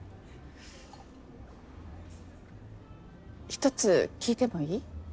一つ聞いてもいい？